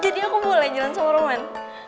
jadi aku boleh jalan sama roman